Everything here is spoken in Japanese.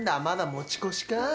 まだ持ち越しか。